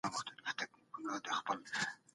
هلته خلک ډېری د یاګانو روزنه کوي.